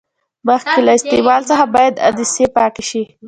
مخکې له استعمال څخه باید عدسې پاکې شي.